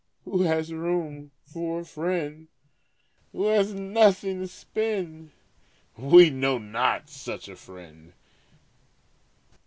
Who has room for a friend Who has nothing to spend? We know not such a friend.